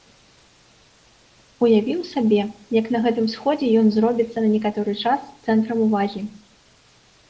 Уявіў сабе, як на гэтым сходзе ён зробіцца на некаторы час цэнтрам увагі.